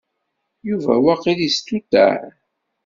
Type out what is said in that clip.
Yuba waqil yestuṭeɛ.